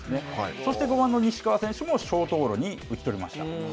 そして５番の西川選手もショートゴロに打ち取りました。